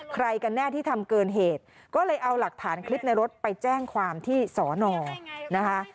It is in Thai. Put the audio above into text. กันแน่ที่ทำเกินเหตุก็เลยเอาหลักฐานคลิปในรถไปแจ้งความที่สอนอนะคะ